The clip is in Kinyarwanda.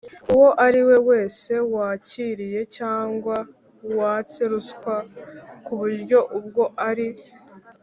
uwo ari we wese wakiriye cyangwa watse ruswa ku buryo ubwo ari